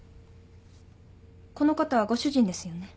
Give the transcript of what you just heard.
この方はご主人ですよね。